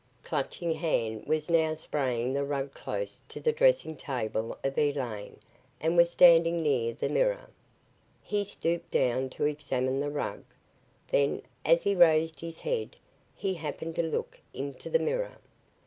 Clutching Hand was now spraying the rug close to the dressing table of Elaine and was standing near the mirror. He stooped down to examine the rug. Then, as he raised his head, he happened to look into the mirror.